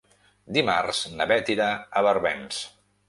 Dimarts na Bet irà a Barbens.